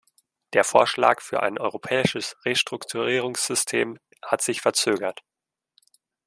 Der Vorschlag für ein europäisches Restrukturierungssystem hat sich verzögert.